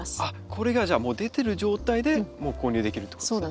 これがじゃあもう出てる状態で購入できるっていうことですね。